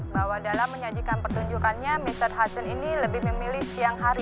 bahwa dalam menyajikan pertunjukannya mr hashion ini lebih memilih siang hari